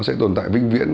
nó sẽ tồn tại vinh viễn